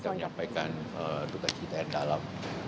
kita menyampaikan duka cita yang dalam